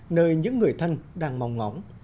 nơi những người thân đang mong ngóng